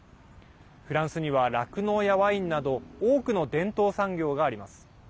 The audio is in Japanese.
フランスには、酪農やワインなど多くの伝統産業があります。